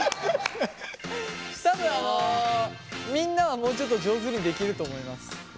多分あのみんなはもうちょっと上手にできると思います。